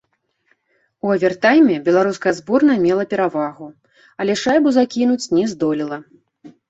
У авертайме беларуская зборная мела перавагу, але шайбу закінуць не здолела.